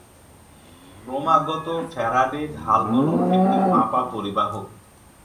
ক্রমাগত ফ্যারাডে ঢাল হল একটি ফাঁপা পরিবাহক।